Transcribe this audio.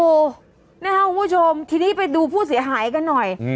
โอ้โหนะครับคุณผู้ชมทีนี้ไปดูผู้เสียหายกันหน่อย